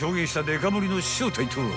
［デカ盛りの正体は］